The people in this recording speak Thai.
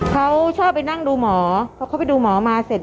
เขาชอบไปนั่งดูหมอเพราะเขาไปดูหมอมาเสร็จ